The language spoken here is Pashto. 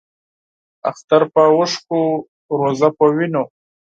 اختر پۀ اوښکو ، روژۀ پۀ وینو